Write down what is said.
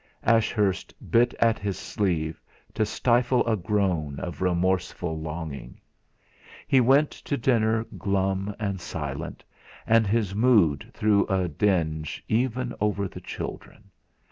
Ashurst bit at his sleeve, to stifle a groan of remorseful longing. He went to dinner glum and silent, and his mood threw a dinge even over the children.